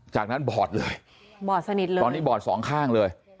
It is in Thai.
จากนั้นบอทเลยตอนนี้บอท๒ข้างเลยบอทสนิทเลย